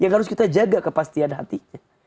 lalu kita jaga kepastian hatinya